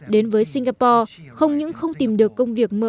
đến với singapore không những không tìm được công việc mơ ước